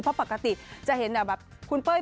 อ่อนหากะติจะเห็นคุณเป้ย